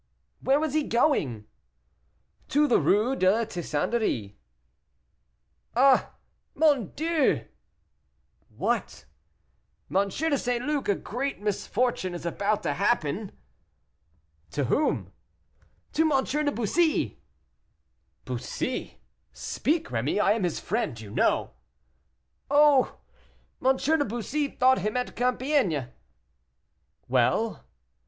"Where was he going?" "To the Rue de la Tixanderie." "Ah! mon Dieu!" "What?" "M. de St. Luc, a great misfortune is about to happen." "To whom?" "To M. de Bussy." "Bussy! speak, Rémy; I am his friend, you know." "Oh! M. de Bussy thought him at Compiègne." "Well?"